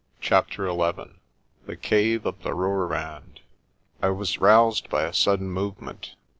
CHAPTER XI THE CAVE OF THE ROOIRAND I WAS roused by a sudden movement.